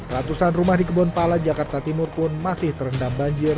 ratusan rumah di kebon pala jakarta timur pun masih terendam banjir